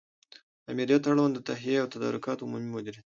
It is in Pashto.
آمریت اړوند د تهیه او تدارکاتو عمومي مدیریت